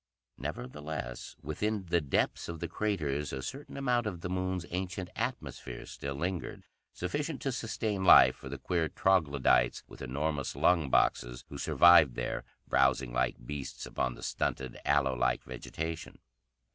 Nevertheless, within the depths of the craters a certain amount of the Moon's ancient atmosphere still lingered, sufficient to sustain life for the queer troglodytes, with enormous lung boxes, who survived there, browsing like beasts upon the stunted, aloe like vegetation.